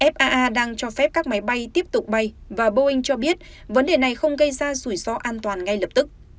faa đang cho phép các máy bay tiếp tục bay và boeing cho biết vấn đề này không gây ra rủi ro an toàn ngay lập tức